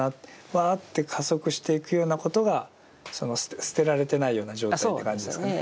わって加速していくようなことがその捨てられてないような状態って感じですかね。